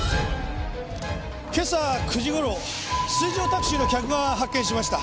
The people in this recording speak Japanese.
今朝９時頃水上タクシーの客が発見しました。